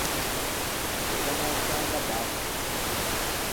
Ei da anâ a-o cian dabasso.